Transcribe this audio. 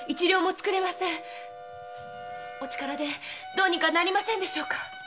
お力でどうにかなりませんでしょうか？